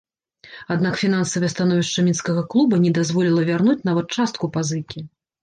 Аднак фінансавае становішча мінскага клуба не дазволіла вярнуць нават частку пазыкі.